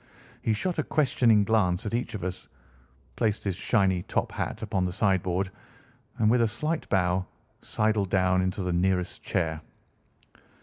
He shot a questioning glance at each of us, placed his shiny top hat upon the sideboard, and with a slight bow sidled down into the nearest chair.